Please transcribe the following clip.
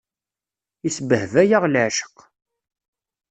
Isbehba-yaɣ leεceq.